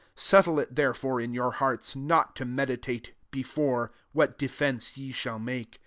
14 Settle fV therefore in your hearts, not to meditate, beiafr^ what defence ye shall make.